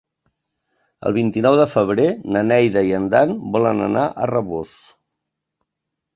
El vint-i-nou de febrer na Neida i en Dan volen anar a Rabós.